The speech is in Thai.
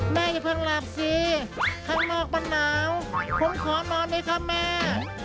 อย่าเพิ่งหลับสิข้างนอกมันหนาวผมขอนอนเลยครับแม่